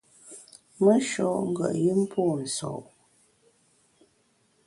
Me sho’ ngùet yùm pô nso’.